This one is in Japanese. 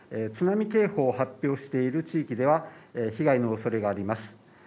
津波警報を発表している地域では被害の恐れがあります